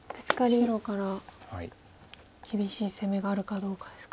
白から厳しい攻めがあるかどうかですか。